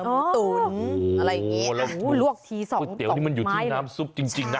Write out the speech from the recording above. ตุ๋นอะไรอย่างนี้ลวกทีสองก๋วเตี๋นี่มันอยู่ที่น้ำซุปจริงนะ